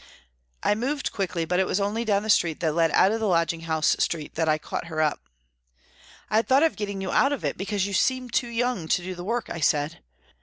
I moved quickly, but it was only down the street that led out of the lodging house street that I caught her up. "I had thought of getting you out of it, because you seemed too young to do the work," I said.